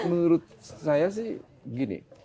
menurut saya sih gini